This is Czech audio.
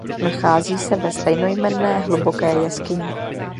Nachází se ve stejnojmenné hluboké jeskyni.